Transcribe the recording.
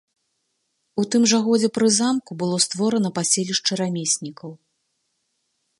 У тым жа годзе пры замку было створана паселішча рамеснікаў.